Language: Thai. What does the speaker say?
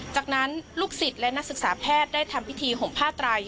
จากนั้นลูกศิษย์และนักศึกษาแพทย์ได้ทำพิธีห่มผ้าไตร